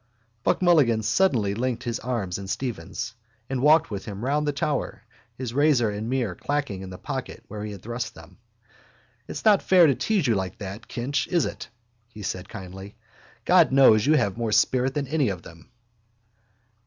Buck Mulligan suddenly linked his arm in Stephen's and walked with him round the tower, his razor and mirror clacking in the pocket where he had thrust them. —It's not fair to tease you like that, Kinch, is it? he said kindly. God knows you have more spirit than any of them.